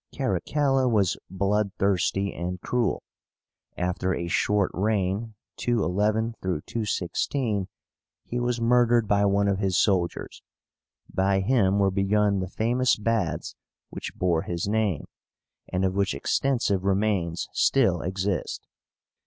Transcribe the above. Caracalla was blood thirsty and cruel. After a short reign (211 216) he was murdered by one of his soldiers. By him were begun the famous baths which bore his name, and of which extensive remains still exist.